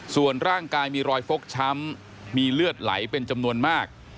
ส่วนร่างกายมีรอยฟกช้ำมีเลือดไหลเป็นจำนวนมาก